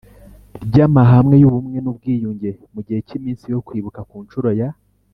ry amahame y ubumwe n ubwiyunge mu gihe cy iminsi yo kwibuka ku nshuro ya